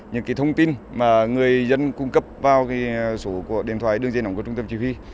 những thông tin mà người dân cung cấp vào số điện thoại đường dây nóng của trung tâm chỉ huy